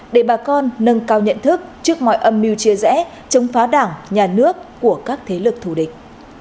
để bà con nâng cao nhận thức trước mọi âm mưu chia rẽ chống phá đảng nhà nước của các thế lực thù địch